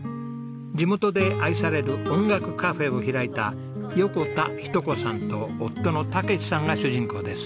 地元で愛される音楽カフェを開いた横田日登子さんと夫の健さんが主人公です。